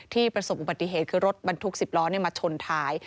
ประสบอุบัติเหตุคือรถบรรทุก๑๐ล้อมาชนท้าย